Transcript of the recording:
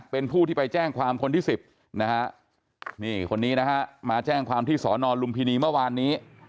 เป็นผู้ที่ไปแจ้งความคนที่๑๐นะฮะนี่คนนี้นะฮะมาแจ้งความที่สอนอลุมพินีเมื่อวานนี้